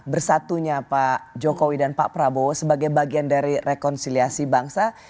bersatunya pak jokowi dan pak prabowo sebagai bagian dari rekonsiliasi bangsa